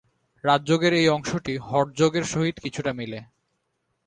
রাজযোগের এই অংশটি হঠযোগের সহিত কিছুটা মিলে।